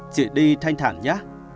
chị đi thanh thản nhé